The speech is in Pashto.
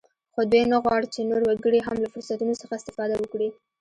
خو دوی نه غواړ چې نور وګړي هم له فرصتونو څخه استفاده وکړي